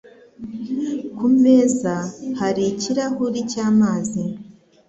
Ku meza hari ikirahure cy’amazi